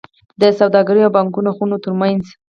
د سوداګرۍ او پانګونو خونو ترمنځ